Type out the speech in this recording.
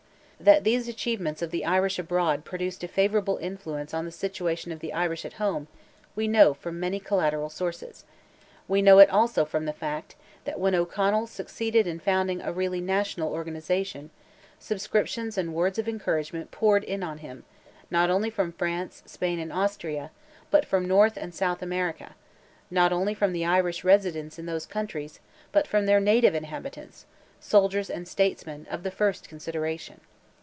That these achievements of the Irish abroad produced a favourable influence on the situation of the Irish at home, we know from many collateral sources; we know it also from the fact, that when O'Connell succeeded in founding a really national organization, subscriptions and words of encouragement poured in on him, not only from France, Spain, and Austria, but from North and South America, not only from the Irish residents in those countries, but from their native inhabitants—soldiers and statesmen—of the first consideration.